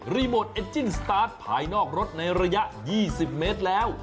โมทเอ็ดจิ้งสตาร์ทภายนอกรถในระยะ๒๐เมตรแล้ว